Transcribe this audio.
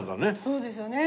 そうですよね。